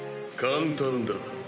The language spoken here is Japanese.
簡単だ。